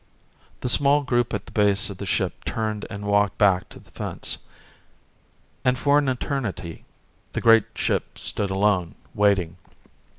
The small group at the base of the ship turned and walked back to the fence. And for an eternity the great ship stood alone, waiting.